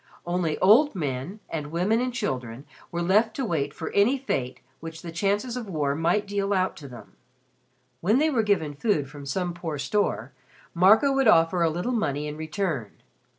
Only old men and women and children were left to wait for any fate which the chances of war might deal out to them. When they were given food from some poor store, Marco would offer a little money in return.